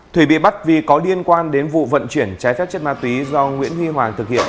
thủy bị bắt vì có liên quan đến vụ vận chuyển trái phép chất ma túy do nguyễn huy hoàng thực hiện